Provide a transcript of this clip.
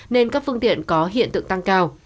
nên các phương tiện có hiện tượng tăng cao